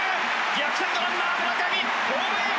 逆転のランナー村上ホームイン！